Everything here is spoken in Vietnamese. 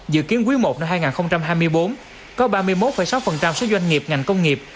dự kiến quý i năm hai nghìn hai mươi bốn có ba mươi một sáu số doanh nghiệp ngành công nghiệp